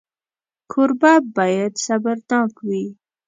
کوربه باید صبرناک وي.